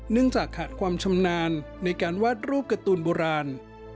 จากขาดความชำนาญในการวาดรูปการ์ตูนโบราณ